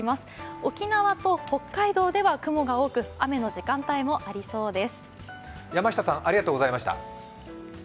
沖縄と北海道では雲が多く、雨の時間帯もありそうです。